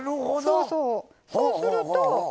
そうそうそうすると。